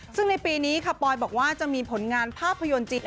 ซึ่งในปีนี้ค่ะปอยบอกว่าจะมีผลงานภาพยนตร์จริง